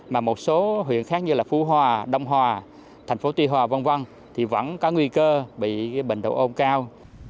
mà một số huyện khác như là phú hòa đông hòa thành phố tuy hòa v v thì vẫn có nguy cơ bị bệnh độ ôn cao